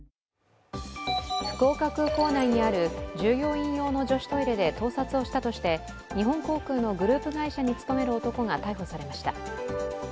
福岡空港内にある従業員用の女子トイレで盗撮をしたとして日本航空のグループ会社に勤める男が逮捕されました。